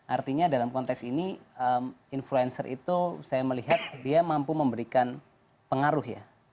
artinya dalam konteks ini influencer itu saya melihat dia mampu memberikan pengaruh ya